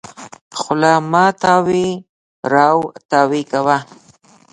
خوله مه تاوې راو تاوې کوه.